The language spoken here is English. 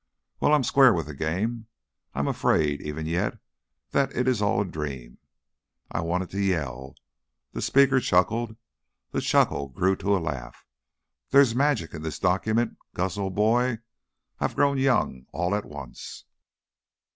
Well, I'm square with the game! I I'm afraid, even yet, that it's all a dream. I've wanted to yell " The speaker chuckled; the chuckle grew to a laugh. "There's magic in this document, Gus, old boy. I've grown young all at once."